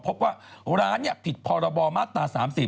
พบว่าร้านผิดพรบมาตรา๓๐